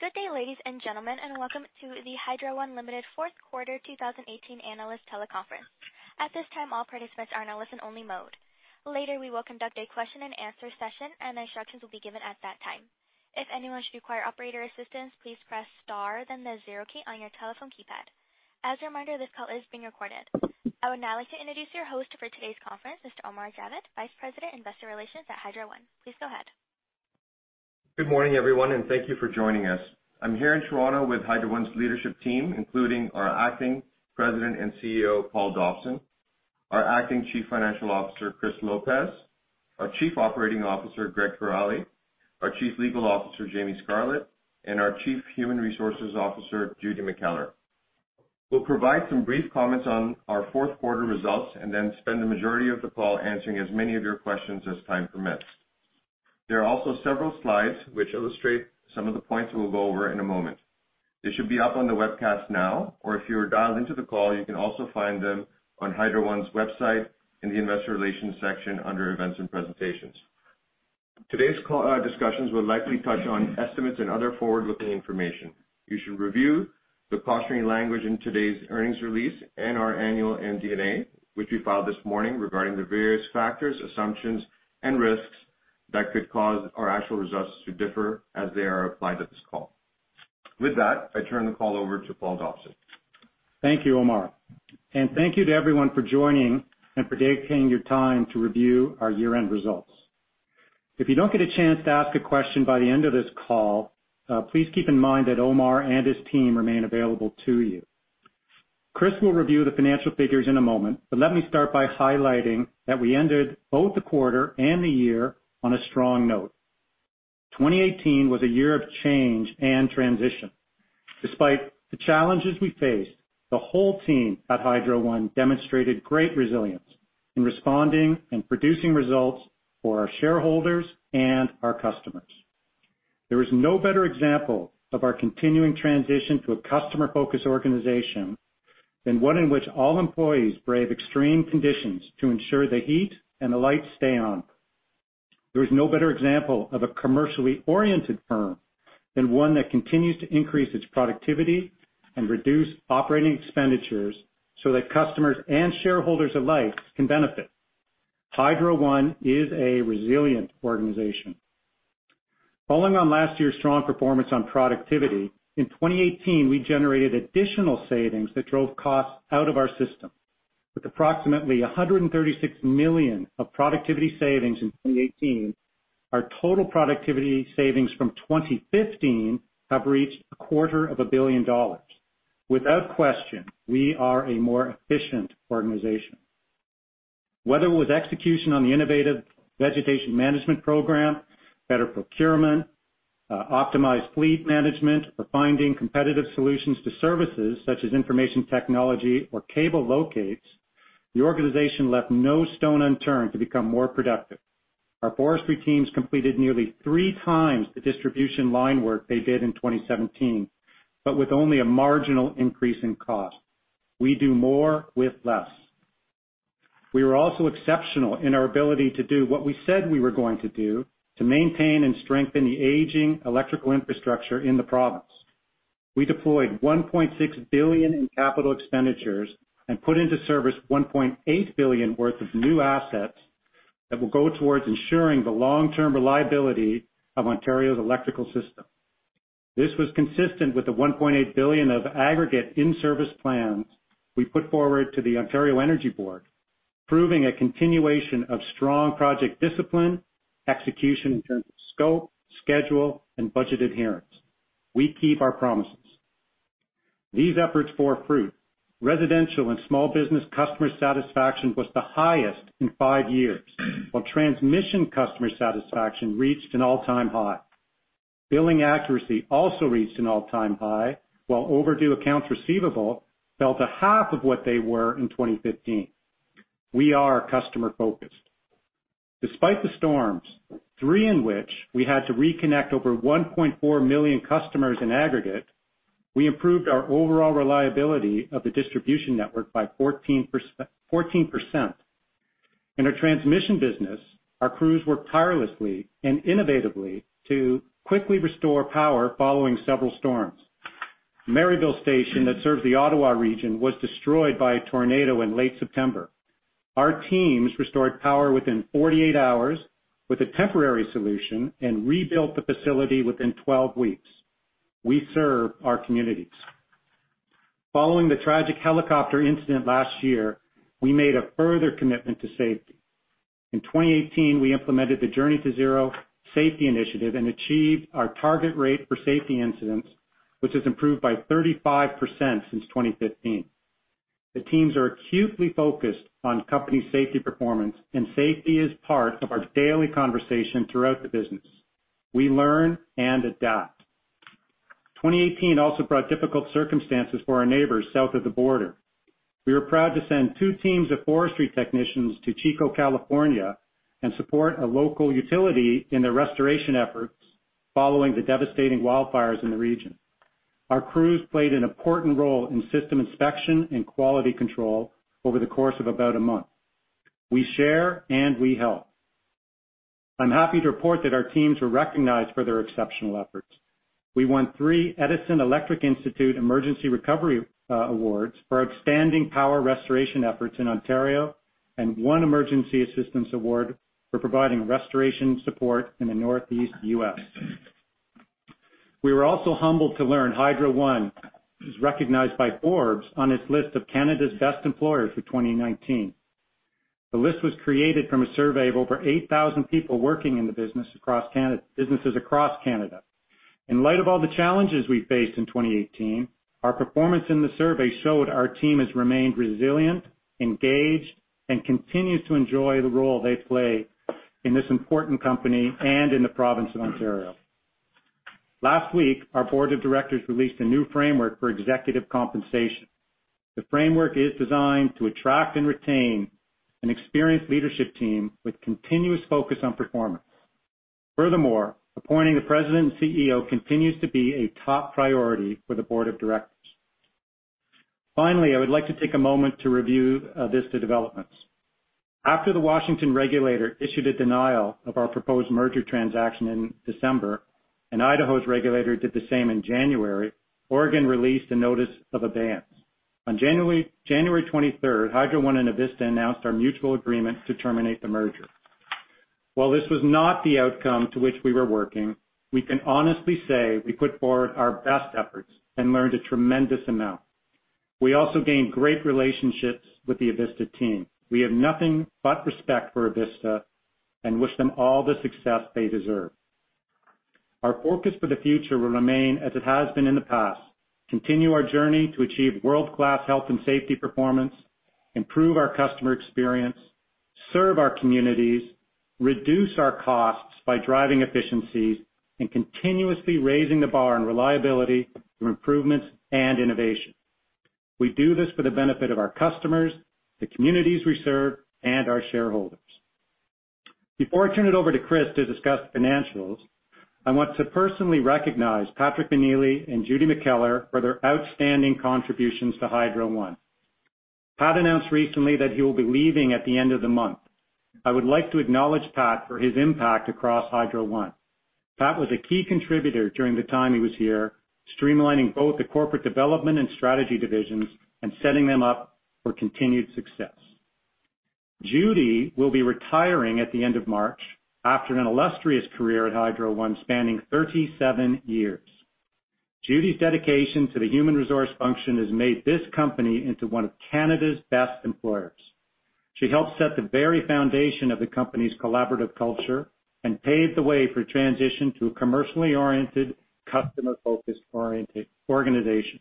Good day, ladies and gentlemen, and welcome to the Hydro One Limited fourth quarter 2018 analyst teleconference. At this time, all participants are in listen-only mode. Later, we will conduct a question and answer session, and the instructions will be given at that time. If anyone should require operator assistance, please press star then the zero key on your telephone keypad. As a reminder, this call is being recorded. I would now like to introduce your host for today's conference, Mr. Omar Javed, Vice President, Investor Relations at Hydro One. Please go ahead. Good morning, everyone, and thank you for joining us. I'm here in Toronto with Hydro One's leadership team, including our acting President and CEO, Paul Dobson; our acting Chief Financial Officer, Chris Lopez; our Chief Operating Officer, Greg Kiraly; our Chief Legal Officer, Jamie Scarlett; and our Chief Human Resources Officer, Judy McKellar. We'll provide some brief comments on our fourth quarter results and then spend the majority of the call answering as many of your questions as time permits. There are also several slides which illustrate some of the points we'll go over in a moment. They should be up on the webcast now, or if you are dialed into the call, you can also find them on Hydro One's website in the Investor Relations section under Events and Presentations. Today's call discussions will likely touch on estimates and other forward-looking information. You should review the cautionary language in today's earnings release and our Annual MD&A, which we filed this morning, regarding the various factors, assumptions, and risks that could cause our actual results to differ as they are applied at this call. With that, I turn the call over to Paul Dobson. Thank you, Omar. Thank you to everyone for joining and for dedicating your time to review our year-end results. If you don't get a chance to ask a question by the end of this call, please keep in mind that Omar and his team remain available to you. Chris will review the financial figures in a moment, let me start by highlighting that we ended both the quarter and the year on a strong note. 2018 was a year of change and transition. Despite the challenges we faced, the whole team at Hydro One demonstrated great resilience in responding and producing results for our shareholders and our customers. There is no better example of our continuing transition to a customer-focused organization than one in which all employees brave extreme conditions to ensure the heat and the lights stay on. There is no better example of a commercially-oriented firm than one that continues to increase its productivity and reduce operating expenditures so that customers and shareholders alike can benefit. Hydro One is a resilient organization. Following on last year's strong performance on productivity, in 2018, we generated additional savings that drove costs out of our system. With approximately 136 million of productivity savings in 2018, our total productivity savings from 2015 have reached a quarter of a billion dollars. Without question, we are a more efficient organization. Whether it was execution on the innovative vegetation management program, better procurement, optimized fleet management, or finding competitive solutions to services such as information technology or cable locates, the organization left no stone unturned to become more productive. Our forestry teams completed nearly three times the distribution line work they did in 2017, but with only a marginal increase in cost. We do more with less. We were also exceptional in our ability to do what we said we were going to do to maintain and strengthen the aging electrical infrastructure in the province. We deployed 1.6 billion in capital expenditures and put into service 1.8 billion worth of new assets that will go towards ensuring the long-term reliability of Ontario's electrical system. This was consistent with the 1.8 billion of aggregate in-service plans we put forward to the Ontario Energy Board, proving a continuation of strong project discipline, execution in terms of scope, schedule, and budget adherence. We keep our promises. These efforts bore fruit. Residential and small business customer satisfaction was the highest in five years, while transmission customer satisfaction reached an all-time high. Billing accuracy also reached an all-time high, while overdue accounts receivable fell to half of what they were in 2015. We are customer-focused. Despite the storms, three in which we had to reconnect over 1.4 million customers in aggregate, we improved our overall reliability of the distribution network by 14%. In our transmission business, our crews worked tirelessly and innovatively to quickly restore power following several storms. Merivale Station that serves the Ottawa region was destroyed by a tornado in late September. Our teams restored power within 48 hours with a temporary solution and rebuilt the facility within 12 weeks. We serve our communities. Following the tragic helicopter incident last year, we made a further commitment to safety. In 2018, we implemented the Journey to Zero safety initiative and achieved our target rate for safety incidents, which has improved by 35% since 2015. The teams are acutely focused on company safety performance, and safety is part of our daily conversation throughout the business. We learn and adapt. 2018 also brought difficult circumstances for our neighbors south of the border. We are proud to send two teams of forestry technicians to Chico, California, and support a local utility in their restoration efforts following the devastating wildfires in the region. Our crews played an important role in system inspection and quality control over the course of about a month. We share and we help. I'm happy to report that our teams were recognized for their exceptional efforts. We won three Edison Electric Institute Emergency Recovery and Response Award for outstanding power restoration efforts in Ontario and one Emergency Assistance Award for providing restoration support in the Northeast U.S. We were also humbled to learn Hydro One was recognized by Forbes on its list of Canada's best employers for 2019. The list was created from a survey of over 8,000 people working in businesses across Canada. In light of all the challenges we faced in 2018, our performance in the survey showed our team has remained resilient, engaged, and continues to enjoy the role they play in this important company and in the province of Ontario. Last week, our Board of Directors released a new framework for executive compensation. The framework is designed to attract and retain an experienced leadership team with continuous focus on performance. Furthermore, appointing a President and CEO continues to be a top priority for the Board of Directors. Finally, I would like to take a moment to review Avista developments. After the Washington regulator issued a denial of our proposed merger transaction in December, and Idaho's regulator did the same in January, Oregon released a notice of abeyance. On January 23rd, Hydro One and Avista announced our mutual agreement to terminate the merger. While this was not the outcome to which we were working, we can honestly say we put forward our best efforts and learned a tremendous amount. We also gained great relationships with the Avista team. We have nothing but respect for Avista and wish them all the success they deserve. Our focus for the future will remain as it has been in the past, continue our journey to achieve world-class health and safety performance, improve our customer experience, serve our communities, reduce our costs by driving efficiencies, and continuously raising the bar on reliability through improvements and innovation. We do this for the benefit of our customers, the communities we serve, and our shareholders. Before I turn it over to Chris to discuss the financials, I want to personally recognize Patrick Meneley and Judy McKellar for their outstanding contributions to Hydro One. Pat announced recently that he will be leaving at the end of the month. I would like to acknowledge Pat for his impact across Hydro One. Pat was a key contributor during the time he was here, streamlining both the corporate development and strategy divisions and setting them up for continued success. Judy will be retiring at the end of March after an illustrious career at Hydro One spanning 37 years. Judy's dedication to the human resource function has made this company into one of Canada's best employers. She helped set the very foundation of the company's collaborative culture and paved the way for transition to a commercially-oriented, customer-focused organization.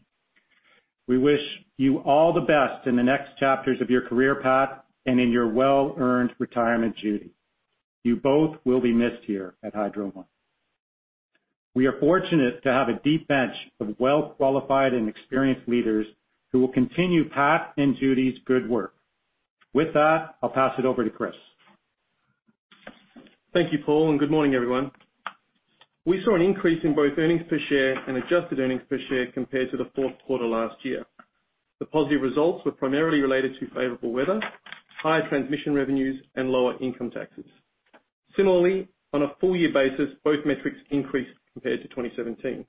We wish you all the best in the next chapters of your career, Pat, and in your well-earned retirement, Judy. You both will be missed here at Hydro One. We are fortunate to have a deep bench of well-qualified and experienced leaders who will continue Pat and Judy's good work. With that, I'll pass it over to Chris. Thank you, Paul, and good morning, everyone. We saw an increase in both earnings per share and adjusted earnings per share compared to the fourth quarter last year. The positive results were primarily related to favorable weather, higher transmission revenues, and lower income taxes. Similarly, on a full-year basis, both metrics increased compared to 2017.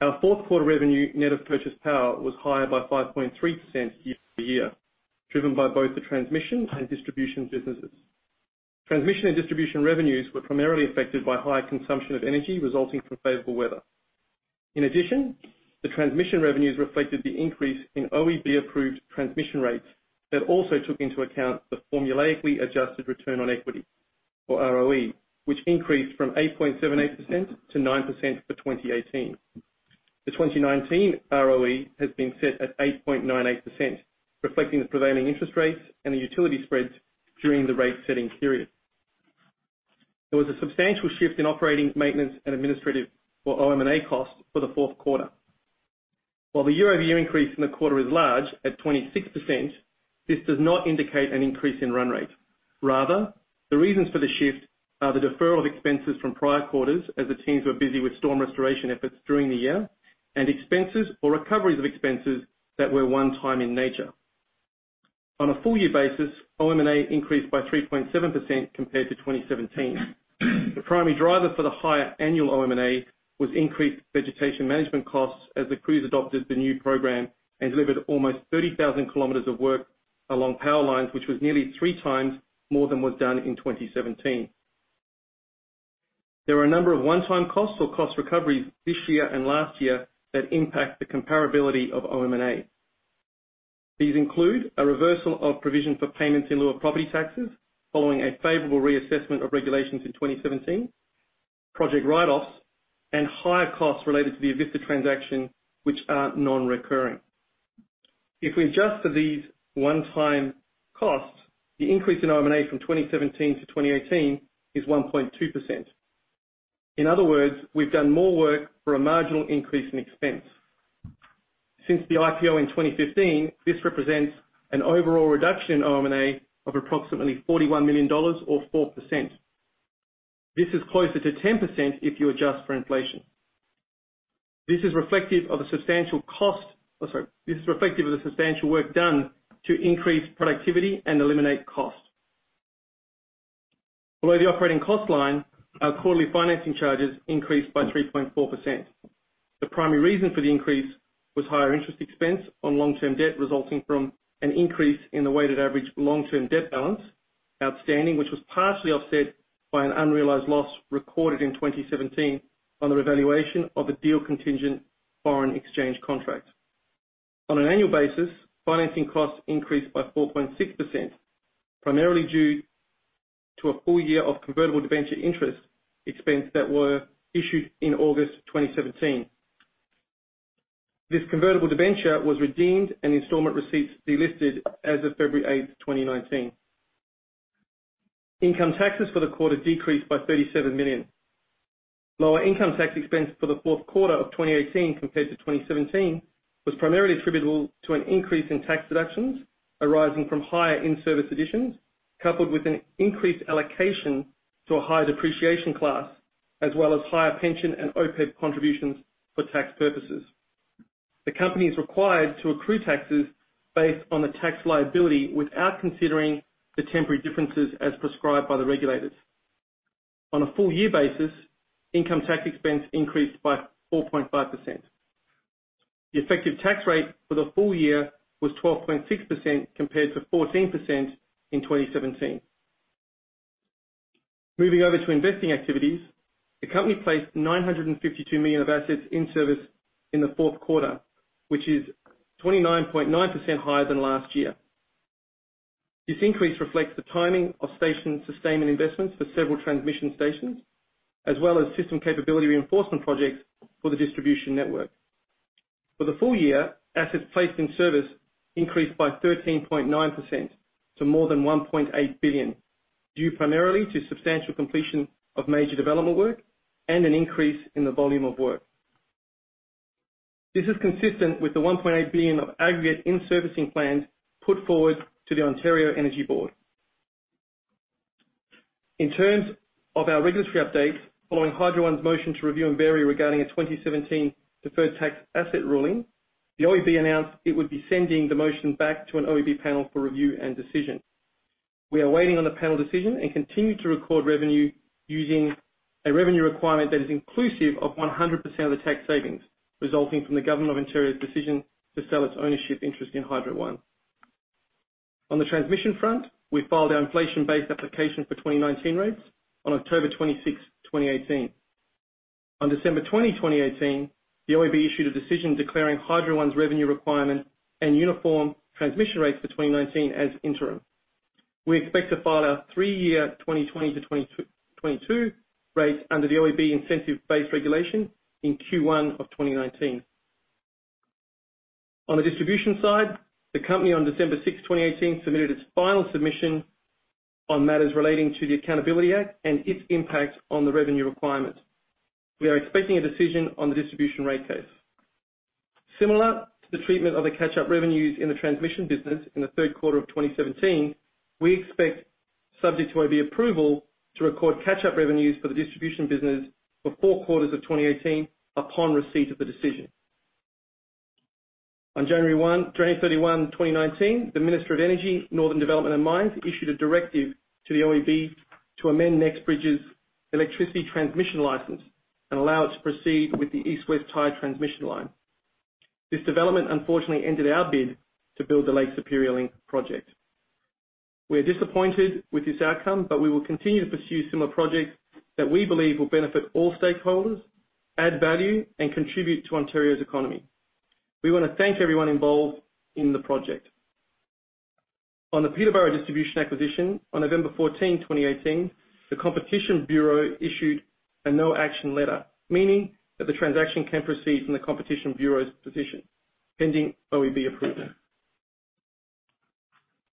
Our fourth-quarter revenue net of purchased power was higher by 5.3% year-over-year, driven by both the transmission and distribution businesses. Transmission and distribution revenues were primarily affected by higher consumption of energy resulting from favorable weather. In addition, the transmission revenues reflected the increase in Ontario Energy Board-approved transmission rates that also took into account the formulaically adjusted return on equity for Return on Equity, which increased from 8.78%-9% for 2018. The 2019 ROE has been set at 8.98%, reflecting the prevailing interest rates and the utility spreads during the rate-setting period. There was a substantial shift in operating, maintenance, and administrative or OM&A costs for the fourth quarter. While the year-over-year increase in the quarter is large at 26%, this does not indicate an increase in run rate. Rather, the reasons for the shift are the deferral of expenses from prior quarters as the teams were busy with storm restoration efforts during the year, and expenses or recoveries of expenses that were one-time in nature. On a full-year basis, OM&A increased by 3.7% compared to 2017. The primary driver for the higher annual OM&A was increased vegetation management costs as the crews adopted the new program and delivered almost 30,000 km of work along power lines, which was nearly 3x more than was done in 2017. There were a number of one-time costs or cost recoveries this year and last year that impact the comparability of OM&A. These include a reversal of provision for payments in lieu of property taxes following a favorable reassessment of regulations in 2017, project write-offs, and higher costs related to the Avista transaction, which are non-recurring. If we adjust for these one-time costs, the increase in OM&A from 2017 to 2018 is 1.2%. In other words, we've done more work for a marginal increase in expense. Since the Initial Public Offering in 2015, this represents an overall reduction in OM&A of approximately 41 million dollars or 4%. This is closer to 10% if you adjust for inflation. This is reflective of the substantial work done to increase productivity and eliminate costs. Below the operating cost line, our quarterly financing charges increased by 3.4%. The primary reason for the increase was higher interest expense on long-term debt resulting from an increase in the weighted average long-term debt balance outstanding, which was partially offset by an unrealized loss recorded in 2017 on the revaluation of a deal-contingent foreign exchange contract. On an annual basis, financing costs increased by 4.6%, primarily due to a full year of convertible debenture interest expense that were issued in August 2017. This convertible debenture was redeemed and installment receipts delisted as of February 8th, 2019. Income taxes for the quarter decreased by CAD 37 million. Lower income tax expense for the fourth quarter of 2018 compared to 2017 was primarily attributable to an increase in tax deductions arising from higher in-service additions, coupled with an increased allocation to a higher depreciation class, as well as higher pension and Other Post-Employment Benefits contributions for tax purposes. The company is required to accrue taxes based on the tax liability without considering the temporary differences as prescribed by the regulators. On a full year basis, income tax expense increased by 4.5%. The effective tax rate for the full year was 12.6% compared to 14% in 2017. Moving over to investing activities, the company placed 952 million of assets in service in the fourth quarter, which is 29.9% higher than last year. This increase reflects the timing of station sustainment investments for several transmission stations, as well as system capability reinforcement projects for the distribution network. For the full year, assets placed in service increased by 13.9% to more than 1.8 billion, due primarily to substantial completion of major development work and an increase in the volume of work. This is consistent with the 1.8 billion of aggregate in-servicing plans put forward to the Ontario Energy Board. In terms of our regulatory updates, following Hydro One's motion to review and vary regarding a 2017 deferred tax asset ruling, the OEB announced it would be sending the motion back to an OEB panel for review and decision. We are waiting on the panel decision and continue to record revenue using a revenue requirement that is inclusive of 100% of the tax savings resulting from the Government of Ontario's decision to sell its ownership interest in Hydro One. On the transmission front, we filed our inflation-based application for 2019 rates on October 26th, 2018. On December 20, 2018, the OEB issued a decision declaring Hydro One's revenue requirement and uniform transmission rates for 2019 as interim. We expect to file our three-year 2020 to 2022 rates under the OEB incentive-based regulation in Q1 of 2019. On the distribution side, the company on December 6, 2018, submitted its final submission on matters relating to the Accountability Act and its impact on the revenue requirement. We are expecting a decision on the distribution rate case. Similar to the treatment of the catch-up revenues in the transmission business in the third quarter of 2017, we expect, subject to OEB approval, to record catch-up revenues for the distribution business for four quarters of 2018 upon receipt of the decision. On January 31, 2019, the Minister of Energy, Northern Development and Mines issued a directive to the OEB to amend NextBridge's electricity transmission license and allow it to proceed with the East-West Tie transmission line. This development, unfortunately, ended our bid to build the Lake Superior Link project. We're disappointed with this outcome, but we will continue to pursue similar projects that we believe will benefit all stakeholders, add value, and contribute to Ontario's economy. We want to thank everyone involved in the project. On the Peterborough Distribution acquisition, on November 14, 2018, the Competition Bureau issued a no action letter, meaning that the transaction can proceed from the Competition Bureau's position, pending OEB approval.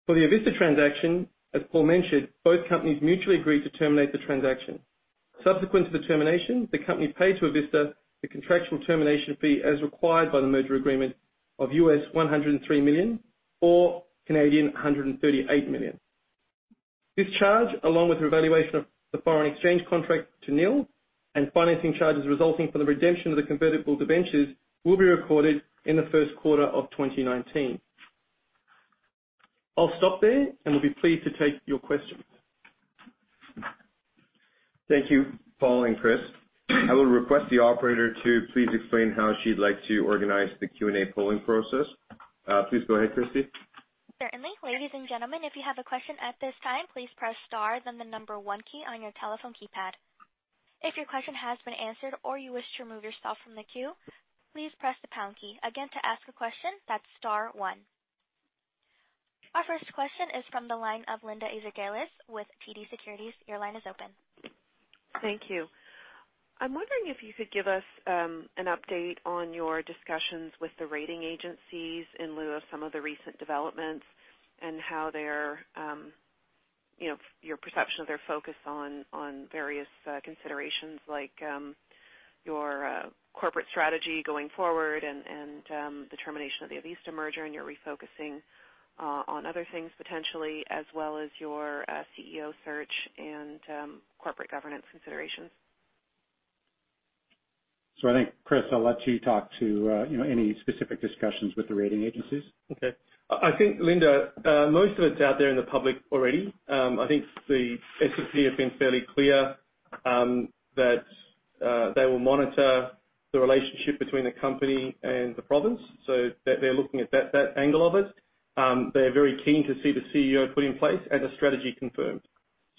For the Avista transaction, as Paul mentioned, both companies mutually agreed to terminate the transaction. Subsequent to the termination, the company paid to Avista the contractual termination fee as required by the merger agreement of $103 million or 138 million. This charge, along with revaluation of the foreign exchange contract to nil and financing charges resulting from the redemption of the convertible debentures, will be recorded in the first quarter of 2019. I'll stop there and will be pleased to take your questions. Thank you. Following Chris, I will request the operator to please explain how she'd like to organize the Q&A polling process. Please go ahead, Christy. Certainly. Ladies and gentlemen, if you have a question at this time, please press star then the number one key on your telephone keypad. If your question has been answered or you wish to remove yourself from the queue, please press the pound key. Again, to ask a question, that's star one. Our first question is from the line of Linda Ezergailis with TD Securities. Your line is open. Thank you. I'm wondering if you could give us an update on your discussions with the rating agencies in lieu of some of the recent developments and how they're, you know, your perception of their focus on various considerations, like your corporate strategy going forward and the termination of the Avista merger, and your refocusing on other things potentially, as well as your CEO search and corporate governance considerations. I think, Chris, I'll let you talk to any specific discussions with the rating agencies. Okay. I think, Linda, most of it's out there in the public already. I think the S&P have been fairly clear that they will monitor the relationship between the company and the province, so they're looking at that angle of it. They're very keen to see the CEO put in place and a strategy confirmed.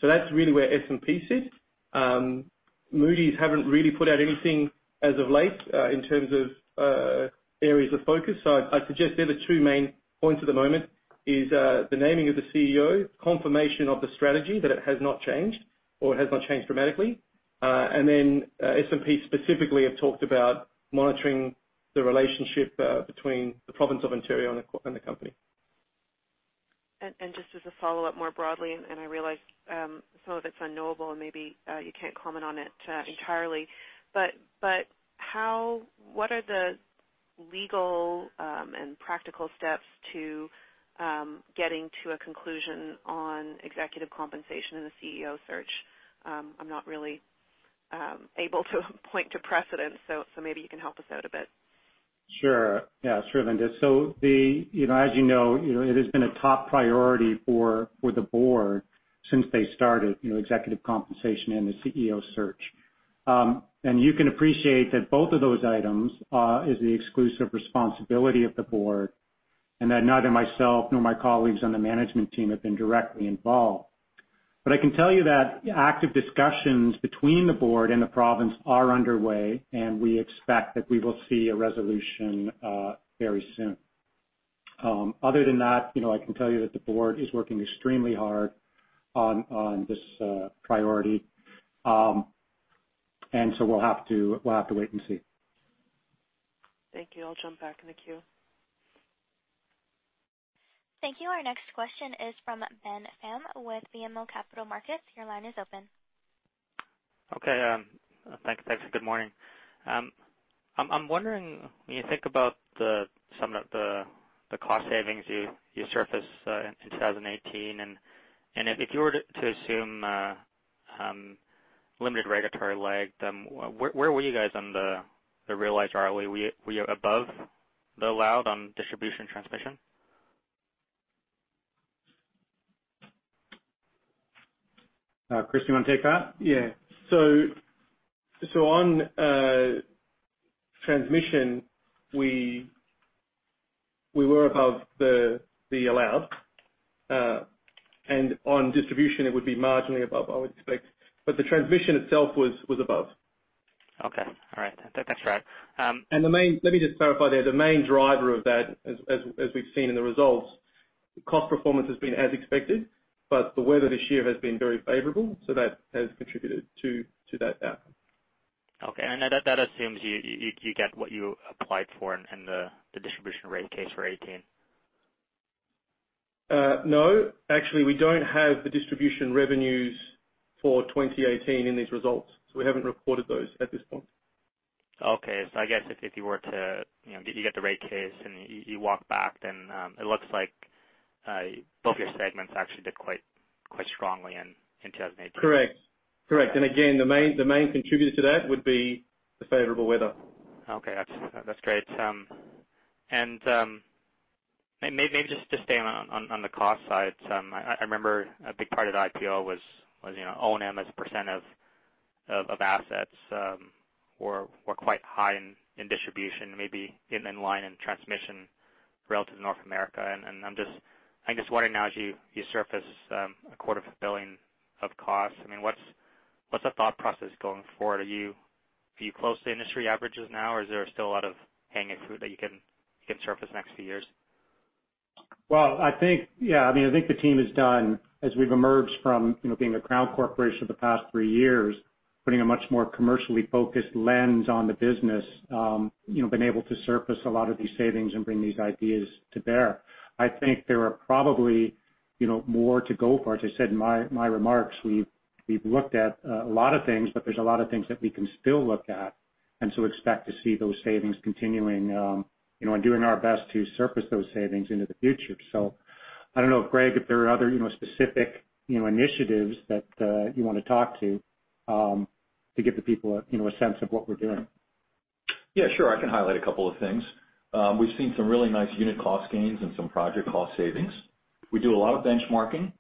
That's really where S&P sits. Moody's haven't really put out anything as of late in terms of areas of focus. I suggest they're the two main points at the moment, is the naming of the CEO, confirmation of the strategy, that it has not changed or it has not changed dramatically. Then S&P specifically have talked about monitoring the relationship between the province of Ontario and the company. Just as a follow-up, more broadly, and I realize some of it's unknowable and maybe you can't comment on it entirely, but what are the legal and practical steps to getting to a conclusion on executive compensation in the CEO search? I'm not really able to point to precedent, so maybe you can help us out a bit. Sure. Yeah, sure, Linda. As you know, it has been a top priority for the board since they started executive compensation and the CEO search. You can appreciate that both of those items is the exclusive responsibility of the board, and that neither myself nor my colleagues on the management team have been directly involved. I can tell you that active discussions between the board and the province are underway, and we expect that we will see a resolution very soon. Other than that, I can tell you that the board is working extremely hard on this priority. We'll have to wait and see. Thank you. I'll jump back in the queue. Thank you. Our next question is from Ben Pham with BMO Capital Markets. Your line is open. Okay. Thanks. Good morning. I'm wondering, when you think about some of the cost savings you surfaced in 2018, and if you were to assume limited regulatory lag, then where were you guys on the realized ROE? Were you above the allowed on distribution transmission? Chris, you want to take that? Yeah. On transmission, we were above the allowed. On distribution, it would be marginally above, I would expect. The transmission itself was above. Okay. All right. Thanks for that. Let me just clarify there. The main driver of that, as we've seen in the results, cost performance has been as expected, but the weather this year has been very favorable, so that has contributed to that outcome. Okay. That assumes you get what you applied for in the distribution rate case for 2018. No, actually, we don't have the distribution revenues for 2018 in these results, so we haven't recorded those at this point. Okay. I guess if you were to get the rate case and you walk back, then it looks like both your segments actually did quite strongly in 2018. Correct. Again, the main contributor to that would be the favorable weather. Okay, that's great. Maybe just staying on the cost side. I remember a big part of the IPO was O&M as a percent of assets were quite high in distribution, maybe even in line in transmission relative to North America. I'm just wondering now, as you surface quarter of a billion of costs, what's the thought process going forward? Are you close to industry averages now, or is there still a lot of low-hanging fruit that you can surface the next few years? Well, I think the team has done, as we've emerged from being a Crown corporation for the past three years, putting a much more commercially focused lens on the business, been able to surface a lot of these savings and bring these ideas to bear. I think there are probably more to go for. As I said in my remarks, we've looked at a lot of things, but there's a lot of things that we can still look at, and so expect to see those savings continuing and doing our best to surface those savings into the future. I don't know if, Greg, there are other specific initiatives that you want to talk to give the people a sense of what we're doing. Yeah, sure. I can highlight a couple of things. We've seen some really nice unit cost gains and some project cost savings. We do a lot of benchmarking,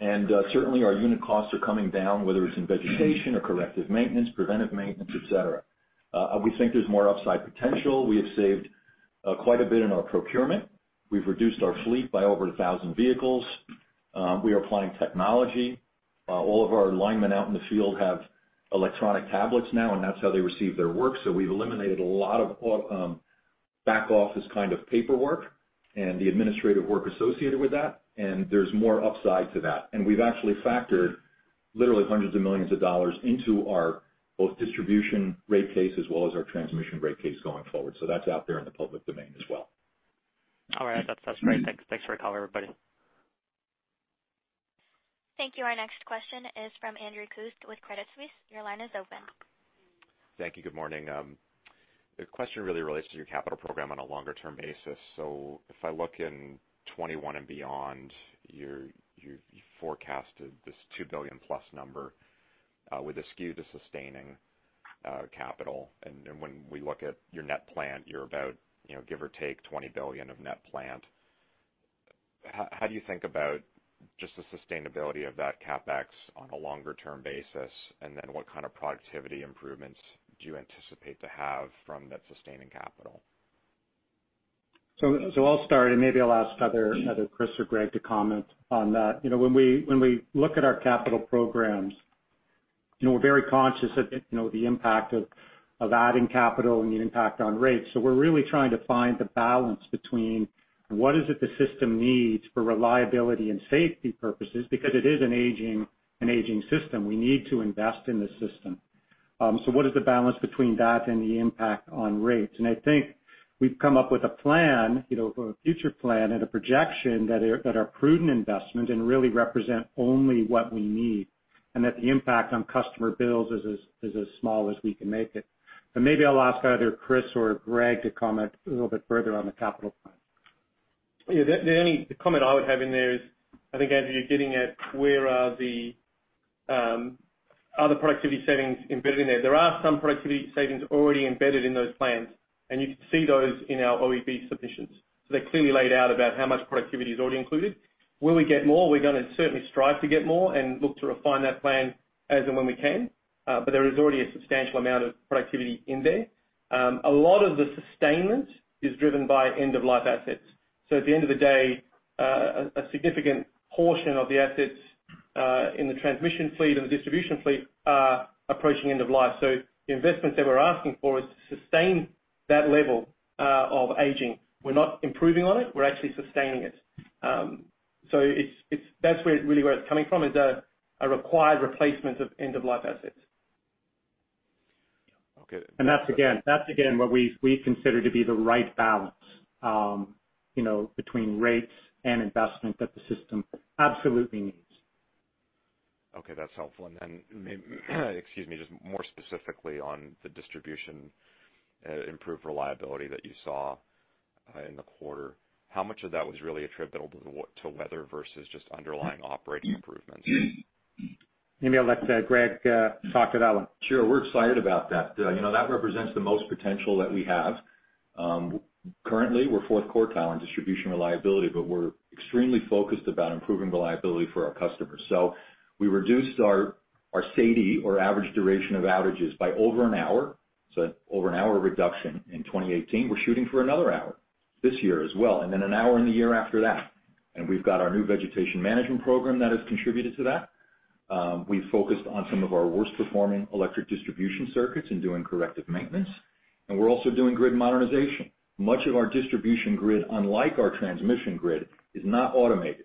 and certainly our unit costs are coming down, whether it's in vegetation or corrective maintenance, preventive maintenance, et cetera. We think there's more upside potential. We have saved quite a bit in our procurement. We've reduced our fleet by over 1,000 vehicles. We are applying technology. All of our linemen out in the field have electronic tablets now, and that's how they receive their work. We've eliminated a lot of back-office kind of paperwork and the administrative work associated with that, and there's more upside to that. We've actually factored literally CAD hundreds of millions into our both distribution rate case as well as our transmission rate case going forward. That's out there in the public domain as well. All right. That's great. Thanks for the call, everybody. Thank you. Our next question is from Andrew Kuske with Credit Suisse. Your line is open. Thank you. Good morning. The question really relates to your capital program on a longer-term basis. If I look in 2021 and beyond, you forecasted this 2+ billion number with a skew to sustaining capital. When we look at your net plan, you're about give or take 20 billion of net plan. How do you think about just the sustainability of that CapEx on a longer-term basis? What kind of productivity improvements do you anticipate to have from that sustaining capital? I'll start, and maybe I'll ask either Chris or Greg to comment on that. When we look at our capital programs, we're very conscious of the impact of adding capital and the impact on rates. We're really trying to find the balance between what it is the system needs for reliability and safety purposes, because it is an aging system. We need to invest in the system. What is the balance between that and the impact on rates? I think we've come up with a plan, a future plan and a projection that are prudent investment and really represent only what we need, and that the impact on customer bills is as small as we can make it. Maybe I'll ask either Chris or Greg to comment a little bit further on the capital plan. The only comment I would have in there is, I think, Andrew, you're getting at where are the other productivity savings embedded in there? There are some productivity savings already embedded in those plans, and you can see those in our OEB submissions. They're clearly laid out about how much productivity is already included. Will we get more? We're going to certainly strive to get more and look to refine that plan as and when we can. There is already a substantial amount of productivity in there. A lot of the sustainment is driven by end-of-life assets. At the end of the day, a significant portion of the assets in the transmission fleet or the distribution fleet are approaching end-of-life. The investment that we're asking for is to sustain that level of aging. We're not improving on it. We're actually sustaining it. That's really where it's coming from, is a required replacement of end-of-life assets. Okay. That's again what we consider to be the right balance between rates and investment that the system absolutely needs. Okay. That's helpful. Excuse me, just more specifically on the distribution improved reliability that you saw in the quarter. How much of that was really attributable to weather versus just underlying operating improvements? Maybe I'll let Greg talk to that one. Sure. We're excited about that. That represents the most potential that we have. Currently, we're fourth quartile in distribution reliability, but we're extremely focused about improving reliability for our customers. We reduced our System Average Interruption Duration Index, or average duration of outages, by over an hour. Over an hour of reduction in 2018. We're shooting for another hour this year as well, and then an hour in the year after that. We've got our new vegetation management program that has contributed to that. We've focused on some of our worst-performing electric distribution circuits in doing corrective maintenance, and we're also doing grid modernization. Much of our distribution grid, unlike our transmission grid, is not automated.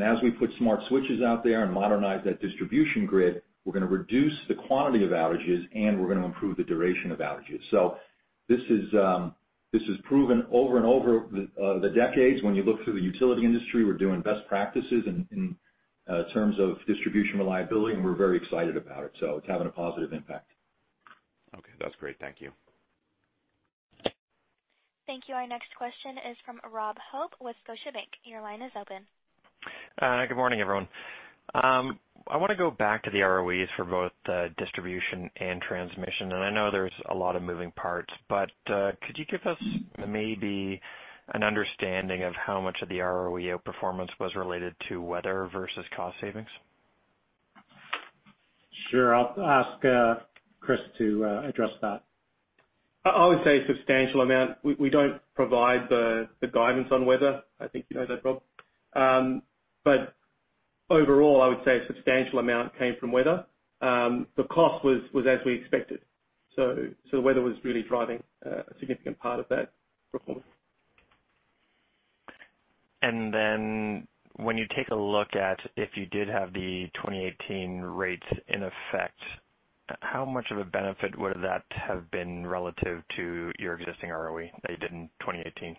As we put smart switches out there and modernize that distribution grid, we're going to reduce the quantity of outages, and we're going to improve the duration of outages. This is proven over and over the decades when you look through the utility industry. We're doing best practices in terms of distribution reliability, and we're very excited about it. It's having a positive impact. Okay. That's great. Thank you. Thank you. Our next question is from Rob Hope with Scotiabank. Your line is open. Good morning, everyone. I want to go back to the ROEs for both distribution and transmission. I know there's a lot of moving parts, but could you give us maybe an understanding of how much of the ROE outperformance was related to weather versus cost savings? Sure. I'll ask Chris to address that. I would say a substantial amount. We don't provide the guidance on weather. I think you know that, Rob. Overall, I would say a substantial amount came from weather. The cost was as we expected. The weather was really driving a significant part of that performance. When you take a look at if you did have the 2018 rates in effect, how much of a benefit would that have been relative to your existing ROE that you did in 2018?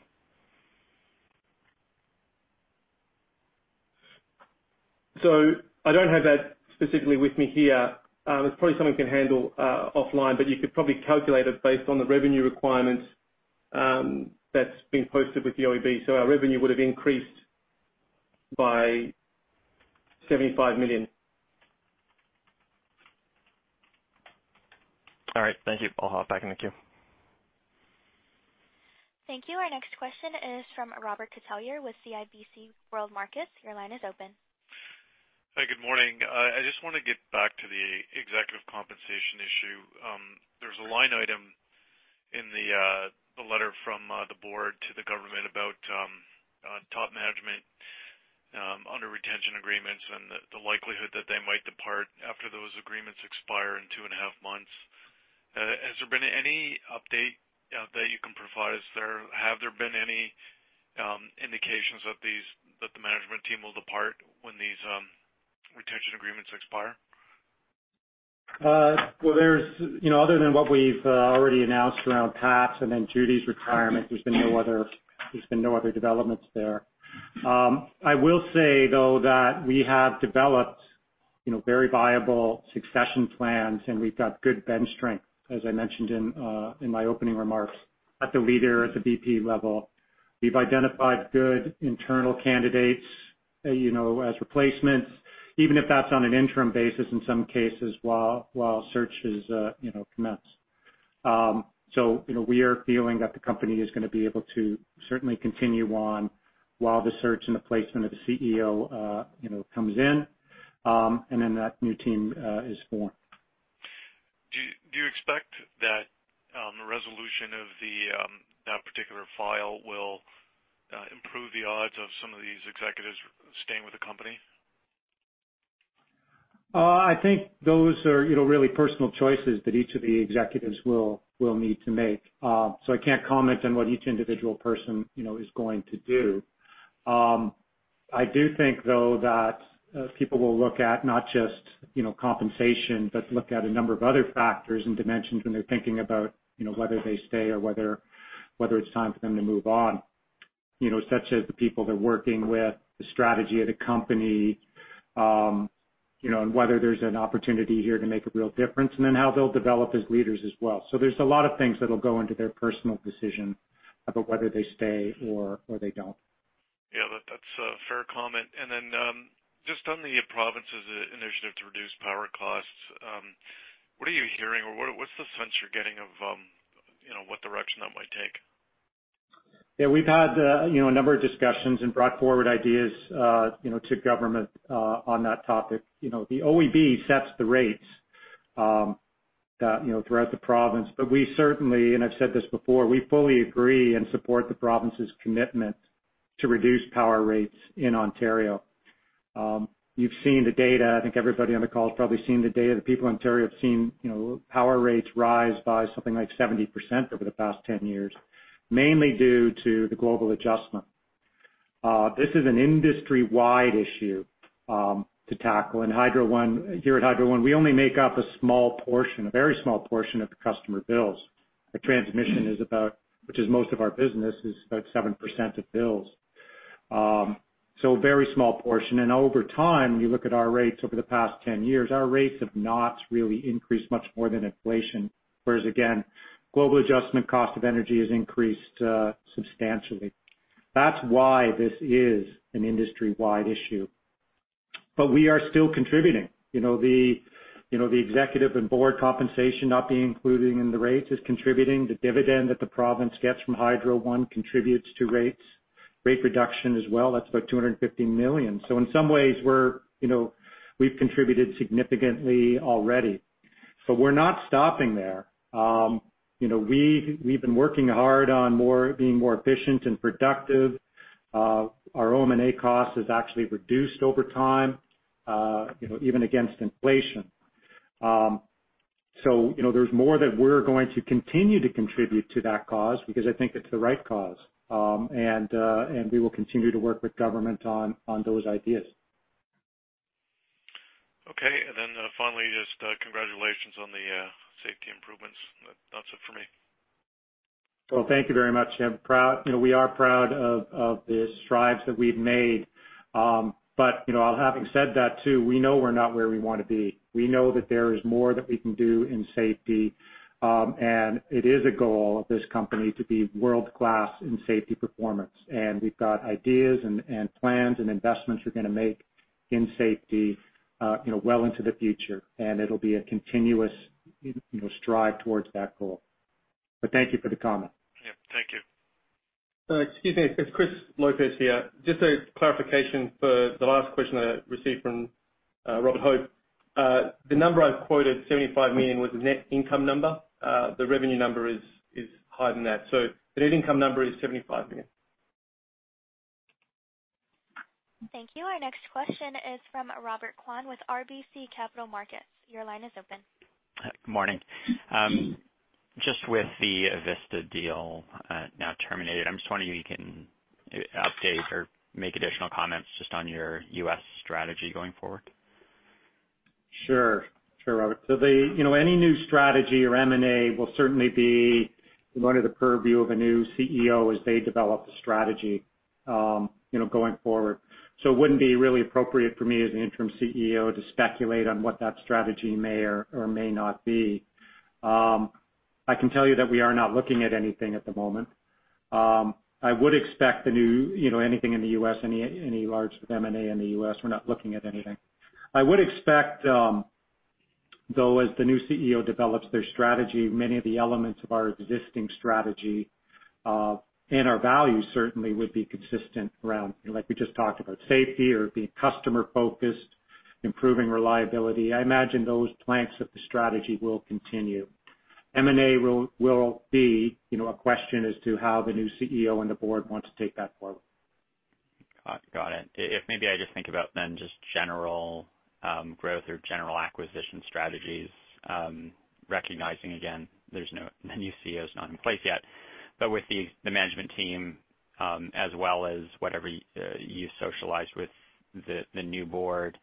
I don't have that specifically with me here. It's probably something we can handle offline, but you could probably calculate it based on the revenue requirements that's been posted with the OEB. Our revenue would have increased by CAD 75 million. All right. Thank you. I'll hop back in the queue. Thank you. Our next question is from Robert Catellier with CIBC World Markets. Your line is open. Hi. Good morning. I just want to get back to the executive compensation issue. There's a line item in the letter from the board to the government about top management under retention agreements and the likelihood that they might depart after those agreements expire in 2.5 months. Has there been any update that you can provide us there? Have there been any indications that the management team will depart when these retention agreements expire? Well, other than what we've already announced around Pat and then Judy's retirement, there's been no other developments there. I will say, though, that we have developed very viable succession plans, and we've got good bench strength, as I mentioned in my opening remarks, at the leader, at the VP level. We've identified good internal candidates as replacements, even if that's on an interim basis in some cases while search is commenced. We are feeling that the company is going to be able to certainly continue on while the search and the placement of the CEO comes in, and then that new team is formed. Do you expect that the resolution of that particular file will improve the odds of some of these executives staying with the company? I think those are really personal choices that each of the executives will need to make. I can't comment on what each individual person is going to do. I do think, though, that people will look at not just compensation, but look at a number of other factors and dimensions when they're thinking about whether they stay or whether it's time for them to move on, such as the people they're working with, the strategy of the company, and whether there's an opportunity here to make a real difference, and then how they'll develop as leaders as well. There's a lot of things that'll go into their personal decision about whether they stay or they don't. Yeah, that's a fair comment. Just on the province's initiative to reduce power costs, what are you hearing or what's the sense you're getting of what direction that might take? Yeah, we've had a number of discussions and brought forward ideas to government on that topic. The OEB sets the rates throughout the province, but we certainly, and I've said this before, we fully agree and support the province's commitment to reduce power rates in Ontario. You've seen the data. I think everybody on the call has probably seen the data. The people in Ontario have seen power rates rise by something like 70% over the past 10 years, mainly due to the Global Adjustment. This is an industry-wide issue to tackle. Here at Hydro One, we only make up a small portion, a very small portion of the customer bills. The transmission is about, which is most of our business, is about 7% of bills. A very small portion. Over time, when you look at our rates over the past 10 years, our rates have not really increased much more than inflation. Whereas again, Global Adjustment cost of energy has increased substantially. That's why this is an industry-wide issue. We are still contributing. The executive and board compensation not being included in the rates is contributing. The dividend that the province gets from Hydro One contributes to rates. Rate reduction as well, that's about 250 million. In some ways, we've contributed significantly already. We're not stopping there. We've been working hard on being more efficient and productive. Our own OM&A cost has actually reduced over time even against inflation. There's more that we're going to continue to contribute to that cause because I think it's the right cause, and we will continue to work with government on those ideas. Okay. Finally, just congratulations on the safety improvements. That's it for me. Well, thank you very much. We are proud of the strides that we've made. Having said that, too, we know we're not where we want to be. We know that there is more that we can do in safety, and it is a goal of this company to be world-class in safety performance. We've got ideas and plans and investments we're going to make in safety well into the future. It'll be a continuous strive towards that goal. Thank you for the comment. Yeah. Thank you. Excuse me, it's Chris Lopez here. Just a clarification for the last question I received from Rob Hope. The number I've quoted, 75 million, was the net income number. The revenue number is higher than that. The net income number is 75 million. Thank you. Our next question is from Robert Kwan with RBC Capital Markets. Your line is open. Good morning. Just with the Avista deal now terminated, I'm just wondering if you can update or make additional comments just on your U.S. strategy going forward? Sure. Sure, Robert. Any new strategy or M&A will certainly be under the purview of a new CEO as they develop the strategy going forward. It wouldn't be really appropriate for me as an interim CEO to speculate on what that strategy may or may not be. I can tell you that we are not looking at anything at the moment. Anything in the U.S., any large M&A in the U.S., we're not looking at anything. I would expect, though, as the new CEO develops their strategy, many of the elements of our existing strategy and our values certainly would be consistent around, like we just talked about, safety or being customer-focused, improving reliability. I imagine those planks of the strategy will continue. M&A will be a question as to how the new CEO and the board want to take that forward. Got it. If maybe I just think about then just general growth or general acquisition strategies, recognizing, again, the new CEO is not in place yet. With the management team, as well as whatever you socialized with the new board,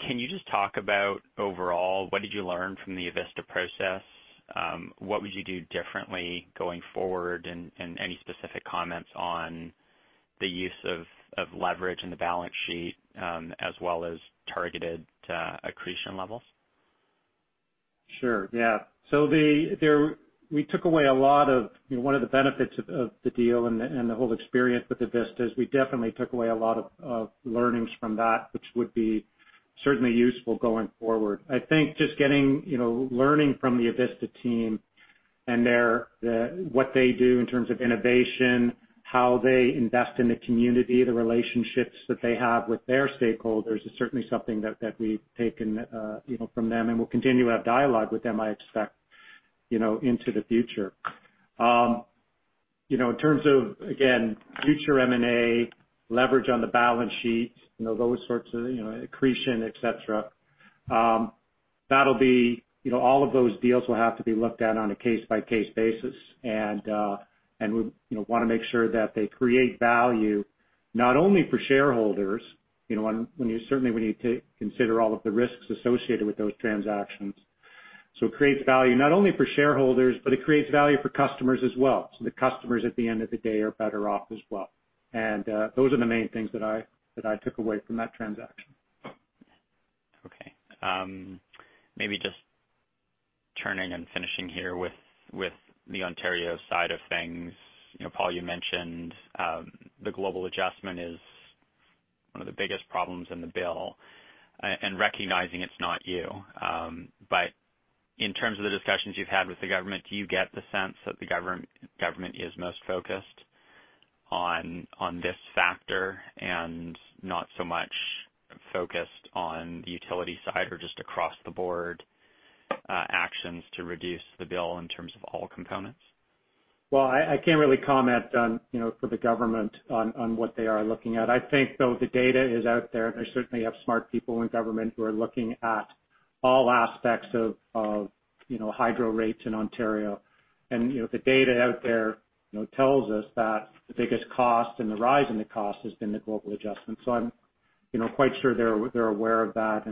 can you just talk about overall, what did you learn from the Avista process? What would you do differently going forward? And any specific comments on the use of leverage in the balance sheet, as well as targeted accretion levels? Sure. Yeah. One of the benefits of the deal and the whole experience with Avista is we definitely took away a lot of learnings from that, which would be certainly useful going forward. I think just learning from the Avista team and what they do in terms of innovation, how they invest in the community, the relationships that they have with their stakeholders, is certainly something that we've taken from them. We'll continue to have dialogue with them, I expect, into the future. In terms of, again, future M&A, leverage on the balance sheet, those sorts of accretion, et cetera, all of those deals will have to be looked at on a case-by-case basis. We want to make sure that they create value, not only for shareholders, certainly we need to consider all of the risks associated with those transactions. It creates value not only for shareholders, but it creates value for customers as well. The customers at the end of the day are better off as well. Those are the main things that I took away from that transaction. Okay. Maybe just turning and finishing here with the Ontario side of things. Paul, you mentioned the Global Adjustment is one of the biggest problems in the bill. Recognizing it's not you, but in terms of the discussions you've had with the government, do you get the sense that the government is most focused on this factor and not so much focused on the utility side or just across the board actions to reduce the bill in terms of all components. Well, I can't really comment for the government on what they are looking at. I think, though, the data is out there. They certainly have smart people in government who are looking at all aspects of Hydro rates in Ontario. The data out there tells us that the biggest cost and the rise in the cost has been the Global Adjustment. I'm quite sure they're aware of that.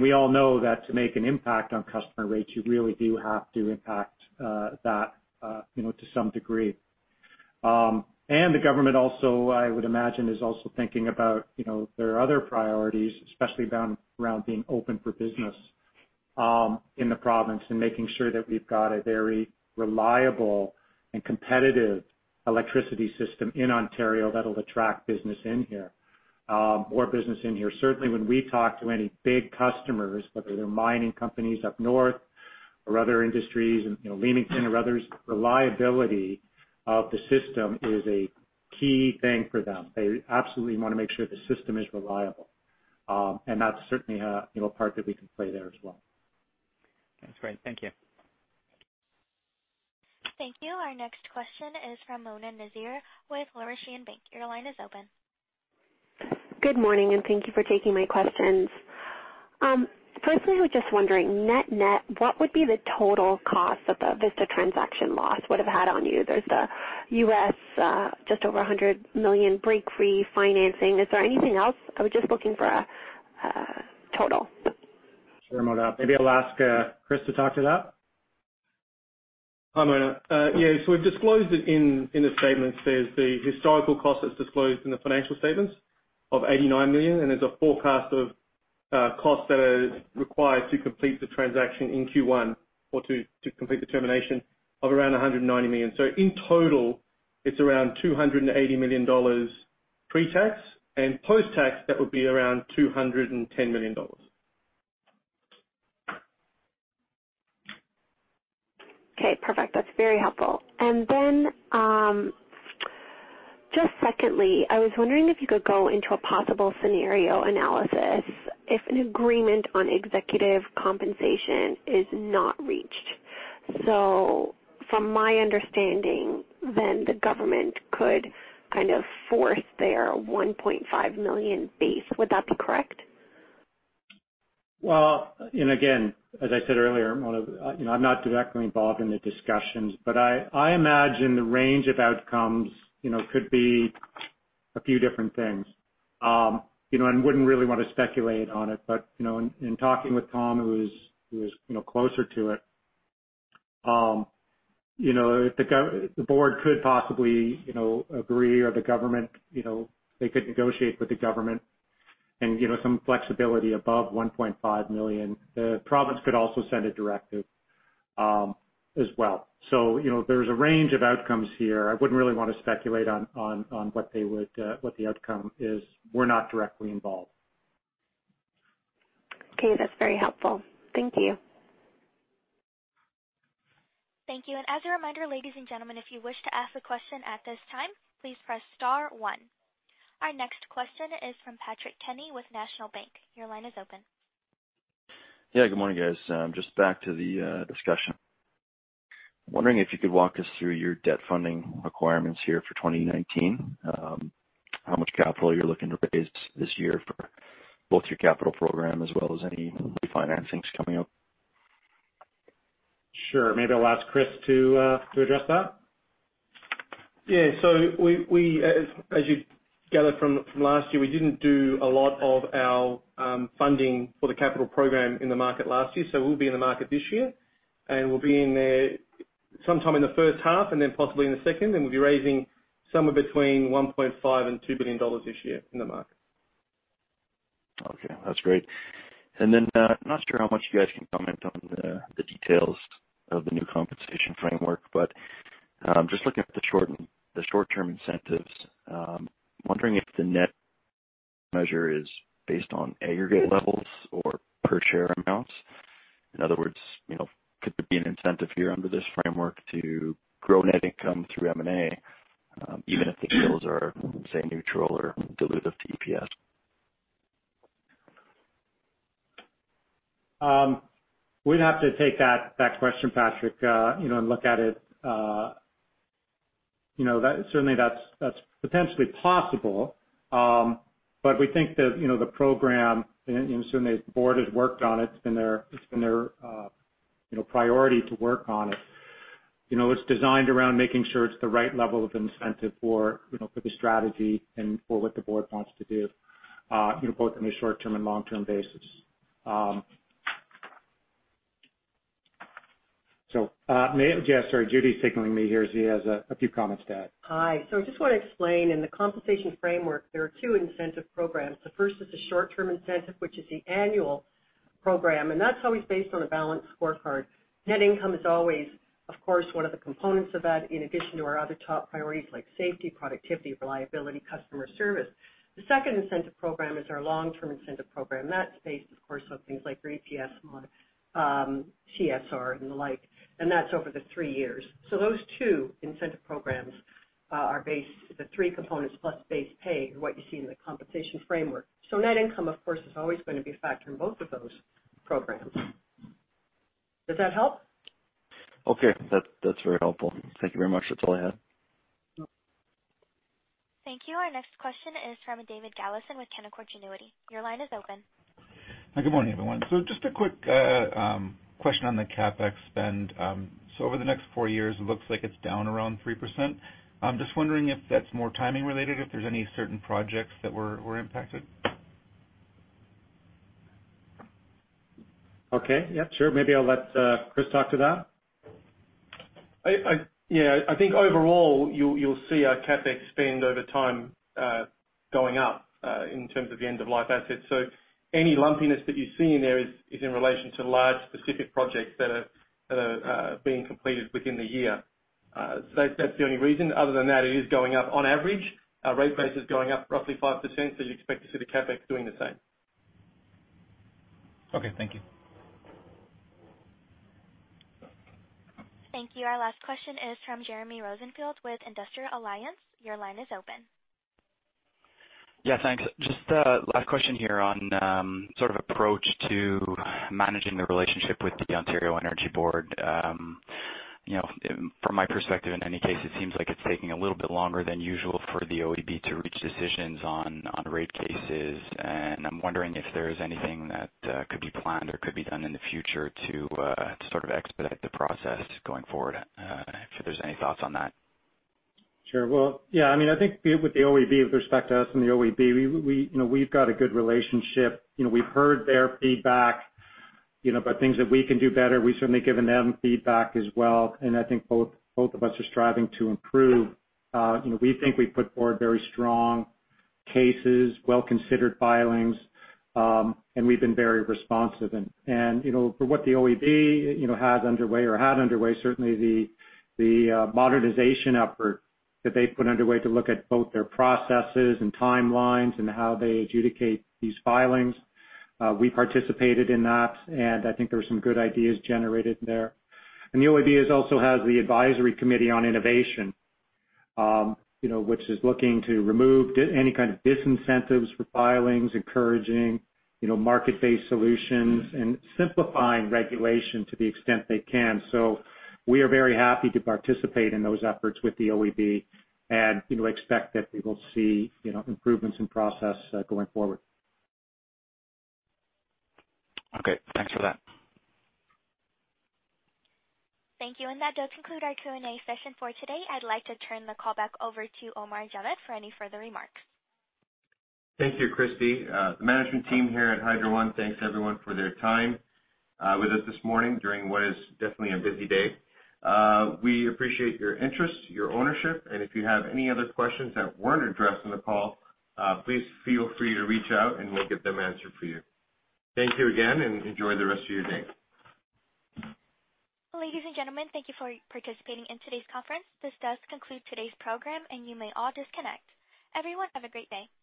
We all know that to make an impact on customer rates, you really do have to impact that to some degree. The government also, I would imagine, is also thinking about their other priorities, especially around being open for business in the province and making sure that we've got a very reliable and competitive electricity system in Ontario that'll attract more business in here. Certainly, when we talk to any big customers, whether they're mining companies up north or other industries, Leamington or others, reliability of the system is a key thing for them. They absolutely want to make sure the system is reliable. That's certainly a part that we can play there as well. That's great. Thank you. Thank you. Our next question is from Mona Nazir with Laurentian Bank. Your line is open. Good morning, and thank you for taking my questions. Firstly, I was just wondering, net net, what would be the total cost that the Avista transaction loss would have had on you? There's the U.S., just over $100 million break fee financing. Is there anything else? I was just looking for a total. Sure, Mona. Maybe I'll ask Chris to talk to that. Hi, Mona. Yeah, we've disclosed it in the statements. There's the historical cost that's disclosed in the financial statements of 89 million, and there's a forecast of costs that are required to complete the transaction in Q1 or to complete the termination of around 190 million. In total, it's around CAD 280 million pre-tax, and post-tax, that would be around CAD 210 million. Okay, perfect. That's very helpful. Just secondly, I was wondering if you could go into a possible scenario analysis if an agreement on executive compensation is not reached. From my understanding, then the government could kind of force their 1.5 million base. Would that be correct? Well, again, as I said earlier, Mona, I'm not directly involved in the discussions, but I imagine the range of outcomes could be a few different things. I wouldn't really want to speculate on it, but in talking with Tom, who is closer to it, the board could possibly agree, or the government, they could negotiate with the government and some flexibility above 1.5 million. The province could also send a directive as well. There's a range of outcomes here. I wouldn't really want to speculate on what the outcome is. We're not directly involved. Okay, that's very helpful. Thank you. Thank you. As a reminder, ladies and gentlemen, if you wish to ask a question at this time, please press star one. Our next question is from Patrick Kenny with National Bank. Your line is open. Yeah, good morning, guys. Just back to the discussion. Wondering if you could walk us through your debt funding requirements here for 2019. How much capital you're looking to raise this year for both your capital program as well as any refinancings coming up. Sure. Maybe I'll ask Chris to address that. Yeah. As you gathered from last year, we didn't do a lot of our funding for the capital program in the market last year, so we'll be in the market this year. We'll be in there sometime in the first half and then possibly in the second. We'll be raising somewhere between 1.5 billion and 2 billion dollars this year in the market. Okay, that's great. Not sure how much you guys can comment on the details of the new compensation framework, but just looking at the short-term incentives, I'm wondering if the net measure is based on aggregate levels or per share amounts. In other words, could there be an incentive here under this framework to grow net income through M&A, even if the deals are, say, neutral or dilutive to EPS? We'd have to take that question, Patrick, and look at it. Certainly, that's potentially possible. We think that the program, certainly the board has worked on it. It's been their priority to work on it. It's designed around making sure it's the right level of incentive for the strategy and for what the board wants to do both in a short-term and long-term basis. Sorry, Judy's signaling me here, she has a few comments to add. Hi. I just want to explain, in the compensation framework, there are two incentive programs. The first is the short-term incentive, which is the annual program, and that's always based on a balanced scorecard. Net income is always, of course, one of the components of that, in addition to our other top priorities like safety, productivity, reliability, customer service. The second incentive program is our long-term incentive program. That's based, of course, on things like our EPS or Total Shareholder Return and the like, and that's over the three years. Those two incentive programs are based, the three components plus base pay are what you see in the compensation framework. Net income, of course, is always going to be a factor in both of those programs. Does that help? Okay. That's very helpful. Thank you very much. That's all I had. Sure. Thank you. Our next question is from David Galison with Canaccord Genuity. Your line is open. Good morning, everyone. Just a quick question on the CapEx spend. Over the next four years, it looks like it's down around 3%. I'm just wondering if that's more timing-related, if there's any certain projects that were impacted. Okay. Yeah, sure. Maybe I'll let Chris talk to that. Yeah. I think overall, you'll see our CapEx spend over time going up in terms of the end-of-life assets. Any lumpiness that you see in there is in relation to large specific projects that are being completed within the year. That's the only reason. Other than that, it is going up on average. Our rate base is going up roughly 5%, so you'd expect to see the CapEx doing the same. Okay. Thank you. Thank you. Our last question is from Jeremy Rosenfield with Industrial Alliance. Your line is open. Yeah, thanks. Just a last question here on sort of approach to managing the relationship with the Ontario Energy Board. From my perspective, in any case, it seems like it's taking a little bit longer than usual for the OEB to reach decisions on rate cases, and I'm wondering if there's anything that could be planned or could be done in the future to sort of expedite the process going forward. If there's any thoughts on that? Sure. Well, yeah. I think with the OEB, with respect to us and the OEB, we've got a good relationship. We've heard their feedback about things that we can do better. We've certainly given them feedback as well, and I think both of us are striving to improve. We think we put forward very strong cases, well-considered filings, and we've been very responsive. For what the OEB has underway or had underway, certainly the modernization effort that they put underway to look at both their processes and timelines and how they adjudicate these filings, we participated in that, and I think there were some good ideas generated there. The OEB also has the Advisory Committee on Innovation, which is looking to remove any kind of disincentives for filings, encouraging market-based solutions, and simplifying regulation to the extent they can. We are very happy to participate in those efforts with the OEB and expect that we will see improvements in process going forward. Okay. Thanks for that. Thank you. That does conclude our Q&A session for today. I'd like to turn the call back over to Omar Javed for any further remarks. Thank you, Christy. The management team here at Hydro One thanks everyone for their time with us this morning during what is definitely a busy day. We appreciate your interest, your ownership, and if you have any other questions that weren't addressed on the call, please feel free to reach out, and we'll get them answered for you. Thank you again, and enjoy the rest of your day. Ladies and gentlemen, thank you for participating in today's conference. This does conclude today's program, and you may all disconnect. Everyone, have a great day.